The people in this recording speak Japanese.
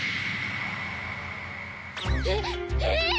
えっええっ！